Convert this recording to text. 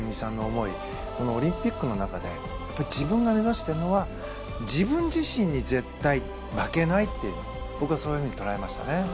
このオリンピックの中で自分が目指してるのは自分自身に絶対負けないっていうのを僕はそういうふうに捉えましたね。